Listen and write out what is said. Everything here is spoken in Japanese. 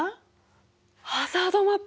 ハザードマップ！